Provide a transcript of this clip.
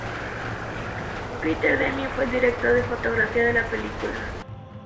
Peter Deming fue el director de fotografía de la película.